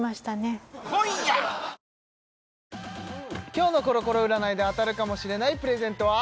今日のコロコロ占いで当たるかもしれないプレゼントは？